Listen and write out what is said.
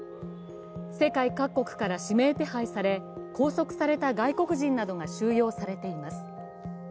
世界各国から指名手配され、拘束された外国人などが収容されています。